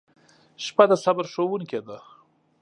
• شپه د صبر ښوونکې ده.